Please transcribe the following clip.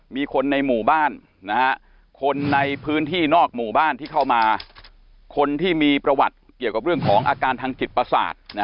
มีคนในหมู่บ้านคนในพื้นที่นอกหมู่บ้านที่เข้ามาคนที่มีประวัติเกี่ยวกับเรื่องของอาการทางจิตประสาท